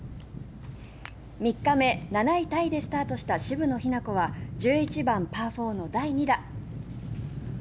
３日目、７位タイでスタートした渋野日向子は１１番、パー４の第２打。